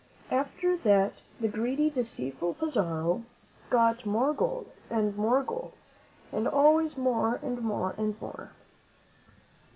After that, the greedy, deceitful Pizarro got more gold, and more gold, and always more and more and more.